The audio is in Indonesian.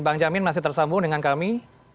bang jamin masih tersambung dengan kami